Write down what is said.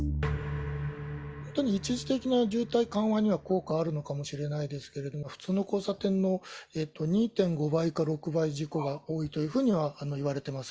本当に一時的な渋滞緩和には効果あるのかもしれないですけれども、普通の交差点の２．５倍か６倍事故が多いというふうにはいわれてます。